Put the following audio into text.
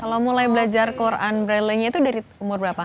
kalau mulai belajar al quran brail nya itu dari umur berapa